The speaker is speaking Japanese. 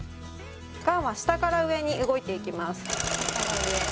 ガンは下から上に動いていきます